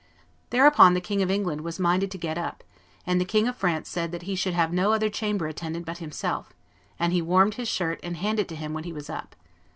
Thereupon the King of England was minded to get up, and the King of France said that he should have no other chamber attendant but himself, and he warmed his shirt and handed it to him when he was up.